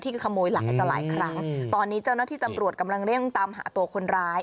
ขโมยหลายต่อหลายครั้งตอนนี้เจ้าหน้าที่ตำรวจกำลังเร่งตามหาตัวคนร้าย